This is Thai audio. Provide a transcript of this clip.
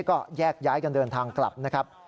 ก็แยกย้ายกันเดินทางกลับนะครับ